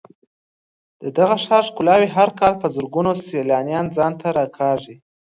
د دغه ښار ښکلاوې هر کال په زرګونو سېلانیان ځان ته راکاږي.